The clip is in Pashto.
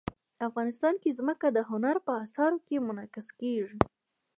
افغانستان کې ځمکه د هنر په اثار کې منعکس کېږي.